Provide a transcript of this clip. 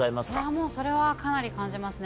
もうそれはかなり感じますね。